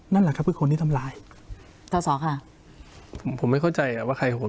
นั่นแหละครับคือคนที่ทำร้ายต่อสอค่ะผมผมไม่เข้าใจอ่ะว่าใครของผม